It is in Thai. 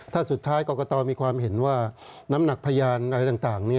ถ้าสุดท้ายกรกตมีความเห็นว่าน้ำหนักพยานอะไรต่าง